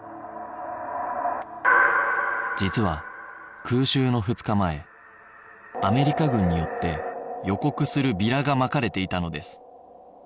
実は空襲の２日前アメリカ軍によって予告するビラがまかれていたのです